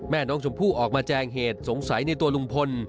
แม่น้องชมพู่ออกมาแจงเหตุสงสัยในตัวลุงพล